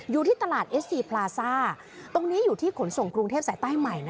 อยู่ที่ตลาดเอสซีพลาซ่าตรงนี้อยู่ที่ขนส่งกรุงเทพสายใต้ใหม่